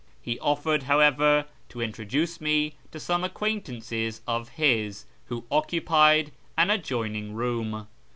He offered, however, to introduce me to some acquaintances of his who occupied an adjoining room.